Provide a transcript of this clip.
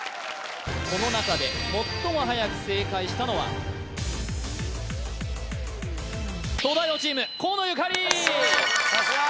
この中で最もはやく正解したのは東大王チーム河野ゆかりよっしゃ